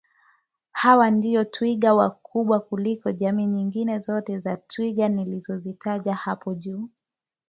Hawa ndio twiga wakubwa kuliko jamii nyingine zote za twiga nilizo taja hapo juu